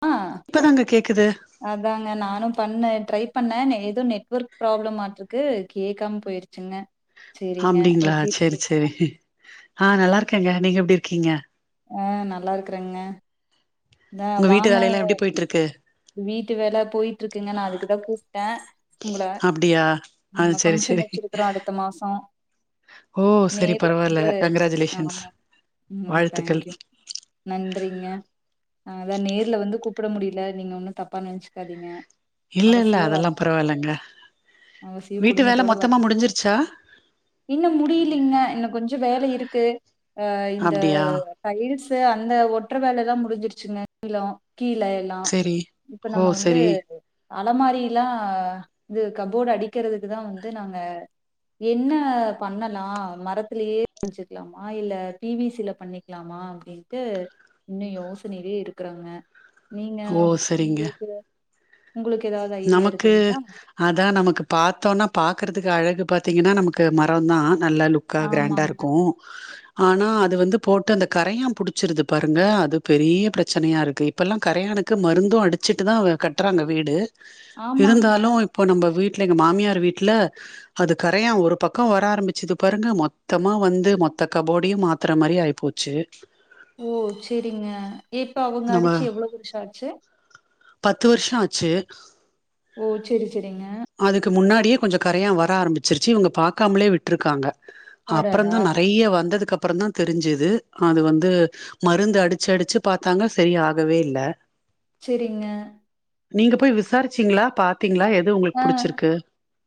அ ப்பதாங்க கேக்குது அதாங்க நானும் பண்ண ட்ரை பண்ணன் ஏதோ நெட்வொர்க் ப்ராப்ளம் ஆட்ருக்கு கேக்காம் பொயிர்ச்சுங்க அப்டிங்ளா சேர் சேரி ம் ஆ நல்லாருக்கேங்க நீங்க எப்டி இர்க்கீங்க அ நல்லாருக்றேங்க ந்த உங்க வீட்டு வாங்க வேலையெல்லா எப்டி போயிட்டு இருக்கு வீட்டு வேல பொயிட்ருக்குங்க நா அதுக்குதா கூப்ட்ட உங்குள அப்டியா ஆ நம்ம சேரி பங்க்ஷன் சேரி வச்சுருக்குறோ அடுத்த மாசொ ஓ செரி பரவாயில்ல கங்கராஜுலேஷன்ஸ் ஆமா ம் வாழ்த்துக்கள் தேங்க்யூ நன்றிங்க ஆ அதா நேர்ல வந்து கூப்ட முடியல நீங்க ஒன்னு தப்பா நெனச்சுக்காதீங்க இல்ல இல்ல அவசியோ அதெல்லா வரணு பரவாயில்லங்க அவசியோ வீட்டு வேல குடும்பத்தோட மொத்தமா வரணு. முடிஞ்சிருச்சா இன்னு முடியலிங்க இன்னு கொஞ்சோ வேல இருக்கு ஆ இந்த அப்டியா டைல்ஸ்சு அந்த ஒற்ற வேல எல்லா முடிஞ்சிருச்சுங்க [unintelligible] கீழ எல் லா சேரி இப்ப ஓ நம்ம வந்து சரி அலமாரிலா இது கபோர்டு அடிக்கறதுக்குதா வந்து நாங்க என்ன பண்ணலா மரத்திலயே செஞ்சுக்கலமா இல்ல பி வி சி ல பண்ணிக்கலமா அப்டி ட்டு இன்னு யோசனையிலே இருக்கறாங்க நீங்க ஓ சரிங்க உங்களுக்கு உங்களுக்கு எதாவது ஐடியா இருக்குங்ளா அதா நமக்கு பாத்தோனா பாக்குறதுக்கு அழகு பாத்திங்கன்னா நமக்கு மரொந்தா நல்லா லுக் கா கிராண்டா ஆமாங்க இருக்கு ஆனா அது வந்து போட்டு அந்த கரையா புடிச்சிருது பாருங்க அது பெரிய பிரச்சனையா இருக்கு இப்பல்லா கரையானுக்கு மருந்து அடிச்சிட்டுதா கட்றாங்க வீடு ஆமாங்க இருந்தாலு இப்ப நம்ப வீட்ல எங்க மாமியார் வீட்ல அது கரையா ஒரு பக்கோ வர ஆரம்பிச்சது பாருங்க மொத்தமா வந்து மொத்த கபோடையு மாத் த்தற மாரி ஆயிப்போச்சு ஓ செரிங்க ஏப்ப அவுங்க நம்ம அடிச்சி எவ்ளோ வருஷோ ஆச்சு பத்து வர்ஷோ ஆச்சு ஓ செரி செரிங்க அதுக்கு முன்னாடியே கொஞ்சோ கரையா வர ஆரம்பிச்சிருச்சி இவங்க பாக்காமலே விட்ருக்காங்க அடடா அப்றந்தா நெறையா வந்ததுக்கப்றந்தா தெரிஞ்சது அது வந்து மருந்து அடிச்சி அடிச்சி பாத்தாங்க செரி ஆகவே இல்ல செரிங்க நீங்க போய் விசாரிச்சிங்ளா பாத்திங்ளா எது உங்க ஆ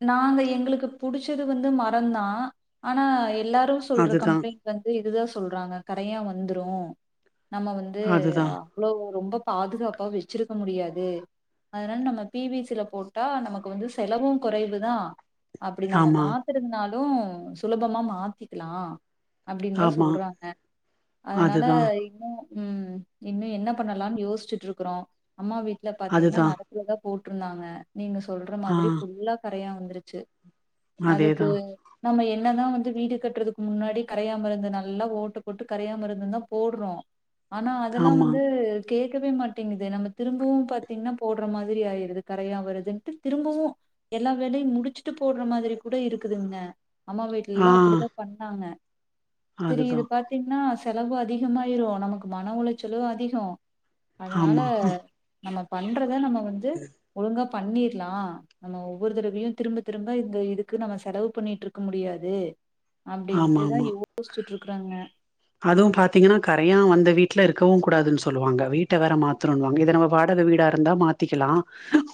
நாங்க எங்களுக்கு புடிச்சது வந்து மரந்தா ஆனா எல்லாரு சொல்ற அதுதான் கம்ப்ளைண்ட் வந்து இதுதா சொல்றாங்க கரையா வந்துரு நம்ம வந்து அ அதுதான் அவ்ளோ ரொம்ப பாதுகாப்பாக வெச்சிருக்க முடியாது அதனால நம்ம பி வி சி ல போட் டா நமக்கு வந்து செலவு கொறைவுதா அப்டி நம்ம ஆமா மாத் துருந்தாலு சுலபமா மாத்திக்கலா அப்டின்தா ஆமா சொல்றாங்க அதனால அதுதான் ஊ ம் இன்னு என்ன பண்ணலான்னு யோசிச்சுட்டு இருக்கிறோ அம்மா வீட்ல பாத்திங்னா அதுதான் மர லதா போட்ருந்தாங்க நீங்க சொல்ற ஆ மாதிரி புல்லா கரையா வந்துரு சு அதுக்கு அதேதான் நம்ம என்னதா வந்து வீடு கட்டுறதுக் முன்னாடி கரைய மருந்து நல்லா ஓட்ட போட்டு கரையா மருந்துதா போட்றோ ஆனா அதெல்லா ஆமா வந்து கேக்கவே மாட்டிங்குது நம்ம திரும்பவு பாத்திங்னா போட்ற மாதிரி ஆயிருது கரையா வருத் துன்ட்டு திரும்பவு எல்லா வேலையு முடிச்சிட்டு போட்ற மாதிரி கூட இருக்குதுங்க அம்மா வீட்ல ஆ எல்லா அப்பிடிதா பண்ணாங்க செரி இத அதுதான் பாத் தீங்கன்னா செலவு அதிகமாயிரு நமக்கு மன உளைச்சலு அதிகோ அதனால ஆமா நம்ம பண்றத நம்ம வந்து ஒழுங்கா பண்ணிர்லா நம்ம ஒவ்வொரு தடவையு திரும்ப திரும்ப இந்த இதுக்கு நம்ம செலவு பண்ணிட்டி இருக்க முடியாது ஆமா அப்டின்ட்டுதா ஆமா யோசிச்சுட்டு இருக்கறங்க அதுவு பாத்திங்கனா கரையா வந்த வீட்ல இருக்கவு கூடாதுன் சொல்லுவாங்க வீட்ட வேற மாத்தணுண்வாங்க இத நம்ம வாடக வீடா இருந்தா மாத்திக்கலா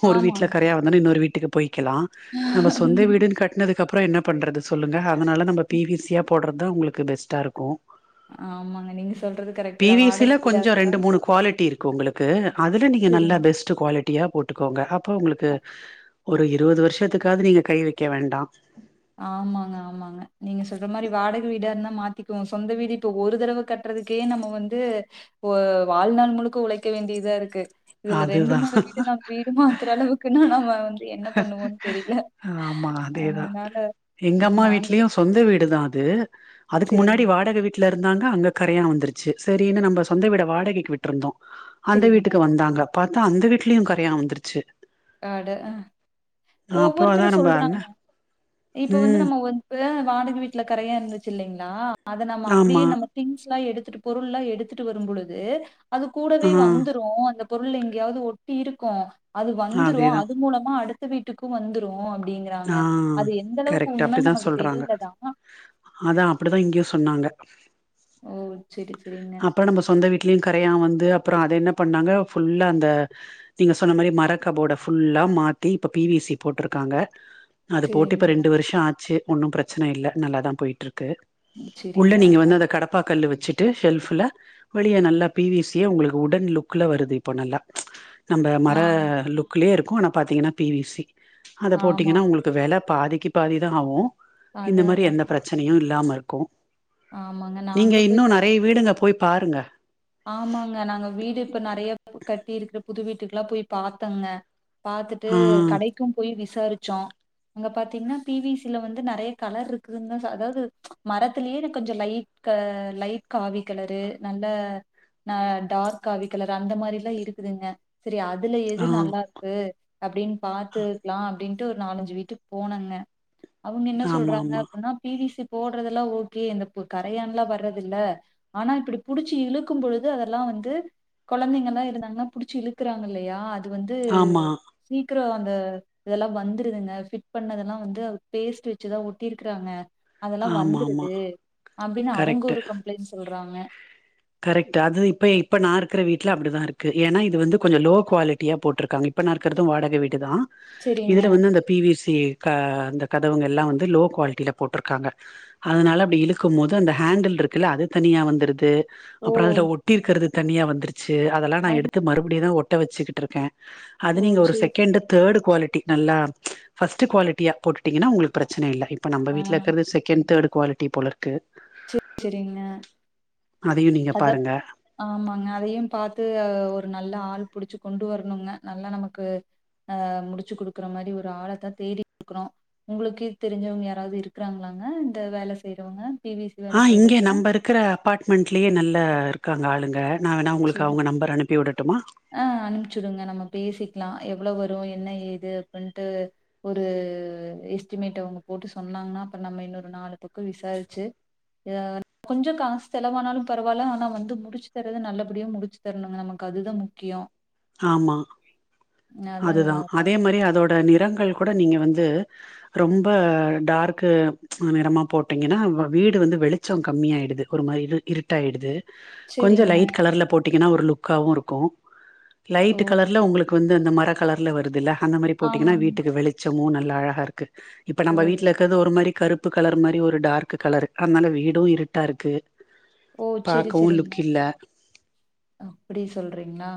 ஒரு வீட்ல ஆமாங்க கரையா வந்தொனே இன்னொரு வீட்டுக்கு பொய்க்கலா நம்ம சொந்த வீடுன் கட்டனதுக்கப்றோ என்னப் பண்றது சொல்லுங்க அதனால நம்ம பி வி சி யா போட்றதுதா உங்களுக்கு பெஸ்ட்டா இருக்கு ஆமாங்க நீங்க சொல்றது கரெக்ட் பி தா வி சி ல வாடகை வீடா கொஞ்சொ இருந்தா ரெண்டு மூணு குவாலிட்டி இருக்கு ஒங்களுக்கு அதுல நீங்க நல்லா செரிங்க பெஸ்ட் டு குவாலிட்டியா போட்டுக்கோங்க அப்ப உங்களுக்கு ஒரு இருவது வருஷத்துக்காது நீங்க கை வைக்க வேண்டா ஆமாங்க ஆமாங்க நீங்க சொல்ற மாரி வாடக வீடாருந்தா மாத்திக்குவோ சொந்த வீடு இப்ப ஒரு தடவ கட் றதுக்கே நம்ம வந்து ஒ வாழ்நாள் முழுக்க உழைக்க வேண்டியதாருக்கு இதுல ரெண்டு அதுதா மூணு வீடு நம் வீடு மாத்து அளவுக்குன்னா நம்ம வந்து என்ன பண்ணுவோன் தெரில்ல ஆமா அதேதா எங்கம்மா நாங்க வீட்லயு சொந்த வீடுதா அது அதுக்கு முன்னாடி செரிங்க வாடக வீட் வீட்ல இருந்தாங்க அங்க கரையான் வந்துருச்சு சரின்னு நம் சொந்த வீட வாடகைக்கு விட்டு இருந்தோம் அந்த செரிங்க வீட்டுக்கு வந்து அங்க பாத்தா அந்த வீட்லயும் கரையான் வந்துருச்சு அட ஆ அப்றோ அதா ஒவ்வொருத்தரும் நம்ம அண்ண சொல்றாங்க இப்ப வந்து ம் நம்ம இப்பதான் வாடகை வீட்ல கரையா இருந்துச்சு இல்லைங்களா அதை நம்ம ஆமா அப்டியே நம்ம திங்ஸ் எல்லாம் எடுத்துட்டு பொருள் எல்லாம் எடுத்துட்டு வரும் பொழுது அது ஆ கூடவே வந்துரும் அந்த பொருள் எங்கயாவது ஒட்டி இருக்கும் அது வந்துடும் அதேதா அது மூலமா அடுத் த்து வீட்டுக்கும் வந்துரும் ஆ அப்டிங்கறாங்க அது எந்த அளவுக்கு உண்மன்னு நமக்கு தெரியல தான் அதான் அப்டிதான் இங்கயும் சொன்னாங்க ஓ சரி சரிங்க அப்புறம் நம்ம சொந்த வீட்லயும் கரையான் வந்து அப்புறம் அத என்ன பண்ணாங்க ஃபுல்லா அந்த நீங்க சொன்ன மாதிரி மரக் கபோர்டை ஃபுல்லா மாத்தி இப்போ பி வி சி போட்டிருக்காங்க அது போட்டு இப்ப செரிங்க ரெண்டு வருஷம் ஆச்சு ஒன்னும் பிரச்சனை இல்ல நல்லாதான் போயிட்டு இருக்கு உள்ள செரிங்க நீங்க வந்து அதை கடப்பா கல்லு வச்சு ட்டு ஷெல்ப்புல வெளிய நல்லா பி வி சிய உங்களுக்கு உடன் லுக்ல வருது இப்ப நல்லா நம்ம மர ஆ லுக்லேயே இருக்கும் ஆனா பார்த்தீங்கன்னா பி வி சி அத போட் ஆமா உங்களுக்கு வில பாதிக்கு பாதிதான் ஆகும் இந்த அதா மாதிரி அதா எந்த பிரச்சனையும் இல்லாம இருக்கும் ஆமாங்க நீங்க நாங்களு போய் இன்னும் நிறைய வீடுங்க போய் பாருங்க ஆமாங்க நாங்க வீடு இப்ப நிறைய கட்டியிருக்குற புது வீட்டுக்கெல்லாம் போய் பார்த்தோங்க பாத்துட்டு ஆ கடைக்கும் போய் விசாரிச்சோம் அங்க பாத்தீங்கன்னா பி வி சி ல வந்து நிறைய கலர் இருக்குங்க அதாவது மரத்திலேயே என கொஞ்சம் லைட் கல லைட் காவி கலரு நல்ல ஆ டார்க் காவி கலர் அந்த மாதிரி எல்லாம் இருக்குதுங்க சரி அதுல எது ஆ நல்லா கு அது அப்டின்னு பாத்து இருக்கலாம் அப்டின்ட்டு ஒரு நாலஞ்சு வீட்டுக்கு போனோங்க அவங்க என்ன ஆமா சொல்றாங்க ஆமா அப்டின்னா பி வி சி போடுறதெல்லாம் ஓகே இந்த கரையான்லாம் வர்றது இல்ல ஆனா இப்டி புடிச்சி இழு இழுக்கும் பொழுது அதெல்லாம் வந்து குழந்தைங்க எல்லாம் இருந்தாங்கன்னா புடிச்சி இழுக்குறாங்கல்லையா அது வந்து ஆமா சீக்கிரம் அந்த இதெல்லாம் வந்துருதுங்க ஃபிட் பண்ணதெல்லாம் வந்து பேஸ்ட் வச்சுதான் ஒட்டிருக்கறாங்க அதெல்லாம் ஆமா ஆமா வந்துறுது அப்டின்னு அவங்க கரெக்ட் ஒரு கம்ப்ளைண்ட் சொல்றாங்க கரெக்ட். அது இப்ப இப்ப நான் இருக்கிற வீட்ல அப்டிதான் இருக்கு. ஏன்னா இது வந்து கொஞ்சம் லோ குவாலிட்டியா போட்டிருக்காங்க. இப்ப நான் இருக்கிறதும் வாடகை வீடு தான் செரிங்க இதுல வந்து அந்த பி வி சி க இந்த கதவுங்க எல்லாம் வந்து லோ குவாலிட்டியில போட்டுருக்காங்க அதனால அப்டி இழுக்குமோது அந்த ஹேண்டில்டுருக்குல்ல அது தனியா வந்துருது ஓ அப்புற அதுல ஒட்டி இருக்கிறது தனியா வந்துருச்சு அதெல்லா நா அது எடுத்து மறுபடியுதா ஒட்ட வெச்சுக்கிட்டுருக்கே அது ஓ நீங்க ஒரு சேரி சேரி செகண்டு தேடு க்வாலிட்டி நல்லா ஃபஸ்ட்டு க்வாலிட்டியா போட்டுட்டீங்கன்னா உங்களுக்கு ப்ரெச்சன இல்ல இப் இப்ப நம்ப ஆ வீட்ல இருக்கற்து செகண்ட் தேடு க்வாலிட்டி போலருக்கு செ செரிங்க அதையு நீங்க அத பாருங்க ஆமாங்க அதையு பாத்து அ ஒரு நல்ல ஆள் புடிச்சு கொண்டு வரணுங்க நல்லா நமக்கு ஆ முடிச்சு குடுக்குற மாரி ஒரு ஆளத்தா தேடி க்குறோ உங்களுக்கு தெரிஞ்சவங்க யாராவ்து இருக்றாங்ளாங்க இந்த வேல செய்றவங்க பி வி சி வேல ஆ இங்க செய்றவங்க நம்பருக்கிற அப்பாட்மெண்ட்லயே நல்ல இருக்காங்க ஆளுங்க நா வேணா உங்களுக்கு அவுங்க நம்பர் அனுப்பி விடட்டுமா அ அனுப்ச்சுடுங்க நம்ம பேசிக்கலா எவ்வளோ வரு என்ன ஏது அப்பன்ட்டு ஒரு எஸ்டிமேட்டு அவுங்க போட்டு சொன்னாங்ன்னா அப்பற் நம்ம இன்னொரு நாலு பக்கோ விசாரிச்சு ஆ கொஞ்சோ காசு செலவானாலு பரவால்ல ஆனா வந்து முடிச்சு தர்றது நல்ல எப்புடியே முடிச்சு தரணுங்க நமக்கு அதுதா முக்கியோ ஆமா அதா அதுதா அதே மாரி அதோட நிறங்கள் கூட நீங்க வந்து ரொம்ப டார்க்கு நிறமா போட்டடிங்கினா வ வீடு வந்து வெளி ச்சோ கம்மியாயிடுது ஒரு மாரி இரு இருட்டாயிடுது கொஞ்சொ சேரிங்க லைட் கலர்ல போட்டிங்கனா ஒரு லுக்காவு இருக்கு ஓ லைட்டு கலர்ல உங்களுக்கு வந்து அந்த மர கலர்ல வருதுல அந்த மாரி போட்டிங்கனா ஆமாங்க வீட்டுக்கு வெளி ச்சமு நல்லா அழகாருக்கு இப்ப ஓ நம்ப வீட்லக் கற்து ஒரு மாரி கருப்பு கலரு மாரி ஒரு டார்க்கு கலரு அத்னால வீடூ இருட்டாருக்கு பாக்கவு லுக்கில்ல அப்படி சொல்றிங்ளா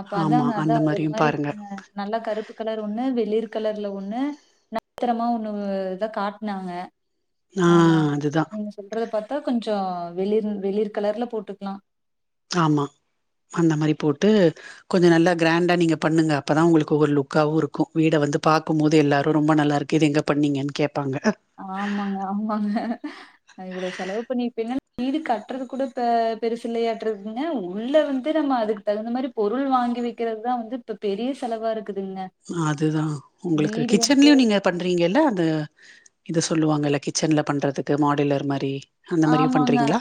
அப்போ ஆமா அதாங்க அதா அந்த ஒரு மாரியு மாரி பாருங்க அ நல்லா கருப்பு கலர் ஒண்ணு வெளிர் கலர்ல ஒண்ணு நடுத்ரமா ஒண்ணுவ் இதா காட்னாங்க ஆ ஆமாங்க அதுதா நீங்க சொல்றத பாத்தா கொஞ்சொ வெளிர் வெளிர் கலர்ல போட்டுக்லா ஆமா அந்த மாரி போட்டு கொஞ்சோ நல்லா க்ராண்டா நீங்க பண்ணுங்க அப்பதா உங்களுக்கு ஒரு லுக்காவு இருக்கு வீட வந்து பாக்குமோது எல்லாரு ரொம்ப நல்லாருக் கிது எங்க பண்ணிங்கன் கேப்பாங்க ஆமாங்க ஆமாங்க நா இவ்வளோ செலவு பண்ணி பின்ன வீடு கட்றது கூட பெ பெருசில்லையாட்ருக்குங்க உள்ள வந்து நம்ம அதுக் தகுந்த மாரி பொருள் வாங்கி வெக்கிறதுதா வந்து இப்ப பெரிய செலவா இருக்குதுங்க அதுதா உங்களுக்கு வீடு வந்து கிச்சன்லியு நீங்க பண்றிங்கல்ல அது இது சொல்லுவாங்கல்ல கிச்சன்ல பண்றதுக்கு மாடுல்லர் மாரி அந்த மாரியு ஆமாங்க பண்றீங்களா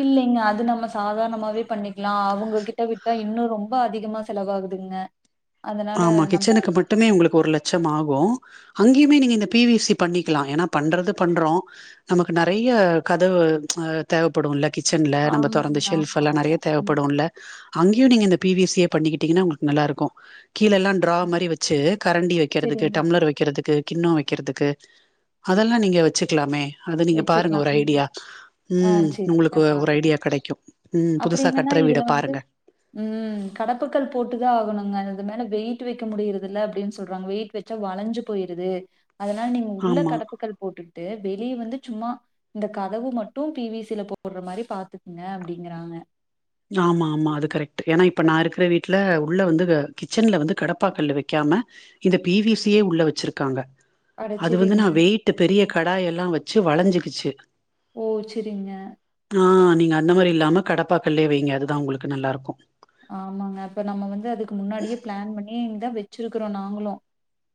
இல்லைங்க அது நம்ம சாதார்ணமாவே பண்ணிக்லா அவுங்க கிட்ட விட்டா இன்னு ரொம்ப அதிகமா செலவாகுதுங்க அதனால ஆமா நம்ம கிச்சனுக்கு பட் ட்டுமே உங்களுக்கு ஒரு லட்சம் ஆகு அங்கயுமே நீங்க இந்த பி வி சி பண்ணிக்கலா ஏனா பண்றது பண்றோ நமக்கு நெறைய்யா கதவு அ தேவப்படுல்ல கிச்சன்ல நம்ம ஆமாங்க தொறந்து ஆமா ஷெல்ஃப்பெல்லா ஆமா நெறைய ம் தேவப்படுல்ல அங்கியு நீங்க இந்த பி வி சியே பண்ணிக்கிட்டிங்கனா உங்களுக் நல்லாருக்கு கீழெல்லா ட்ரா மாரி வெச்சி கரண்டி வெக்கிறதுக்கு சரிங்க டம்ளர் வெக்கிறதுக்கு கிண்ணோ வெக்கிறதுக்கு அதெல்லா நீங்க வெச்சுக்லாமே அத நீங்க பாருங்க வச்சுக்கலாம் ஒரு ம் ஐடியா ஆ ம் சரிங்க உங்களுக்கு ஒரு பாக்குறேன் ஐடியா கெடைக்கு ம் அப்புறம் புதுசா என்னன்னா கட்ற வீட இதுல வந்து பாருங்க ம் கடப்புக்கல் போட்டுதா ஆகனுங்க அது மேல வெயிட்டு வெக்க முடியிறதில்ல அப்டின் சொல்றாங்க வெயிட் வெச்சா வளஞ்சு போய்ருது அதனால நீங்க உள்ள ஆமா கடப்புக்கல் போட்டுட்டு வெளிய வந்து சும்மா இந்த கதவு மட்டு பி வி சி ல போட்ற மாரி பாத்துக்ங்க அப்டிங்கறாங்க ஆமா ஆமா அது கரெக்ட்டு ஏனா இப்ப நா இருக்ற வீட்ல உள்ள வந்து கிச்சன்ல வந்து கடப்பாக்கல்லு வெக்காம இந்த பி வி சி யே உள்ள வச்சிருக்காங்க அட அது வந்து நா சரிங்க வெயிட்டு பெரிய கடாயெல்லா வச்சு வளஞ்சுக்கிச்சு ஓ செரிங்க ஆ நீங்க அந்த மாரி இல்லாம கடப்பாக்கல்லே வெய்ங்க அதுதா உங்களுக்கு நல்லாருக்கு ஆமாங்க அப்ப நம்ம வந்து அதுக்கு முன்னாடியே பிளான் பண்ணி தா வச்சிருக்றோ நாங்களு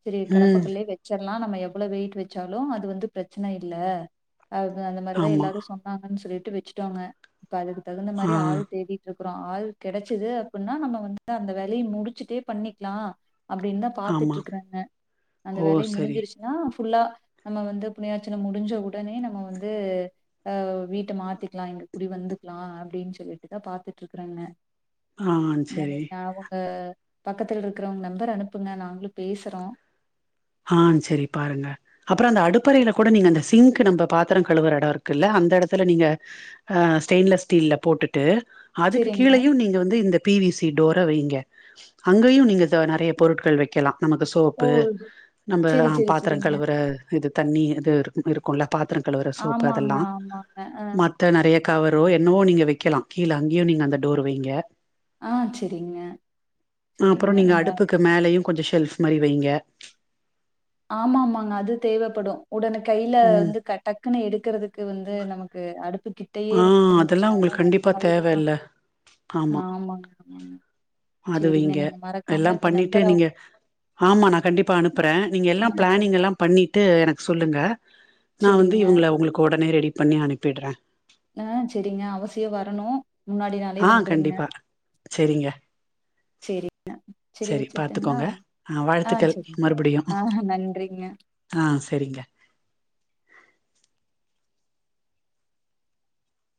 செரி ம் கடப்பாக்கல்லே வச்செர்லா நம்ம எவ்ளோ வெயிட் வெச்சாலு அது வந்து பிரச்சன இல்ல ஆ அந்த மாரிதா ஆமா எல்லாரு சொன்னாங்கன் சொல்லிட்டு வெச்ட்டோங்க இப்ப அதுக்கு தகுந்த ஆ மாரி ஆள் தேடி ட்ருக்குறோ ஆள் கெடச்சது அப்பினா நம்ம வந்து அந்த வேலய முடிச்சுட்டே பண்ணிக்லா அப்டின்தா ஆமா பாத்துட்ருக்றேங்க அந்த ஓ வேலய சரி முடிஞ்சிருச் னா ஃபுல்லா நம்ம வந்து புண்ணியாச்சனம் முடிஞ்ச உடனே நம்ம வந்து ஆ வீட்ட மாத்திக்லா இங்க குடி வந்துக்லா அப்டின் சொல்லிட்டுதா பாத்துட்ருக்றங்க ஆ சரி [unintelligible] நா அவுங்க பக்கத்ல இருக்றோங் நம்பர் அனுப்புங்க நாங்ளு பேசுறோ ஆ செரி பாருங்க அப்றோ அந்த அடுப்பறைல கூட நீங்க அந்த சிங்க்கு நம்ப பாத்தரோ கழுவுற எடோ இருக்குல்ல அந்த எடத்துல நீங்க ஆ ஸ்டெயின்லெஸ் ஸ்டீல போட்டுட்டு அதுக்கு செரிங்க கீழயு நீங்க வந்து இந்த பி வி சி டோர வெய்ங்க அங்கயு நீங்க த நறைய பொருட்கள் வெக்கலா நமக்கு ஓ சோப்பு நம்ப செரி ஆ செரி பாத்தரோ செரிங்க கழுவுற இது தண்ணி இது இது இருக்குல பாத்தரோ கழுவுற சோப்பு ஆமாங்க, அதெல்லா ஆமாங்க. அ, ம த்த நறைய கவரோ என்னவோ நீங்க வெக்கலா கீழ அங்கியு நீங்க அந்த டோர் வெய்ங்க ஆ செரிங்க செரிங்க நீங்க அது மேலயு கொஞ்சொ ஷெல்ஃப் மாரி வெய்ங்க ஆமாமாங்க அது தேவப்படு உடன கைல ம் வந்து க டக்குனு எடுக்கறதுக்கு வந்து நமக்கு அடுப்பு கி ட்டயே ஆ அதெல்லா இருந்துச்சுனா தா உங்களுக்கு கண்டிப்பா தேவ இல்ல சவுரியமாருக்கு ஆமா ஆமாங்க ஆமாங்க அது சரிங்க. வெய்ங்க நீங்க எல்லா மறக்காம இப்ப பண்ணிட்டு நம்பர் அவு நீங்க ஆமா நா கண்டிப்பா அனுப்புறே நீங்க எல்லா அனுப்புங்க. பிளானிங் எல்லா பண்ணிட்டு எனக் சொல்லுங்க நா வந்து சரிங்க. இவுங்கள உங்களுக்கு ஒடனே ரெடி பண்ணி அனுப்பிட்றே ஆ செரிங்க அவசியோ வரனு முன்னாடி நாளே ஆ வந்துருங்க கண்டிப்பா செரிங்க செரிங்க செரி வச்சிர்ட்டுங்ளா பாத்துக்கோங்க ஆ வாழ்த்துக்கள் செரிங்க மறுபடியு ஆ நன்றிங்க ஆ செரிங்க